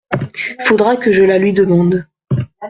Faudra que je la lui demande…